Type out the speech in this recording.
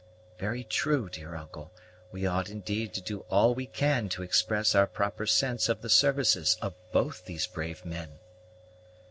"Very true, dear uncle; we ought indeed to do all we can to express our proper sense of the services of both these brave men."